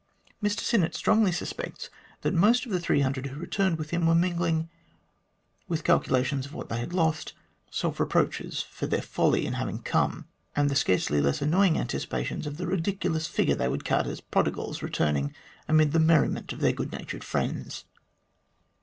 Mr Sinnett strongly suspects that most of the 300 who returned with him were mingling, with calculations of what they had lost, self reproaches for their folly in having come, and the scarcely less annoying anticipations of the ridiculous figure they would cut as prodigals returning amid the merriment of their good natured friends.